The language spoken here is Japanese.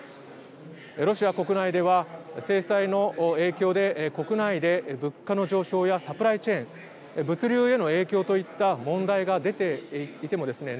ロシア国内では、制裁の影響で国内で物価の上昇やサプライチェーン物流への影響といった問題が出ていてもですね